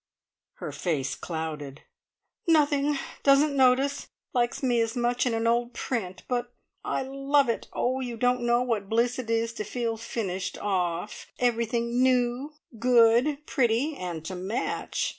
Her face clouded. "Nothing. Doesn't notice. Likes me as much in an old print. But I love it! Oh, you don't know what bliss it is to feel `finished off'. Everything new, good, pretty, and to match!"